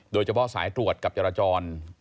โดยเฉพาะสายตรวจกับจราจร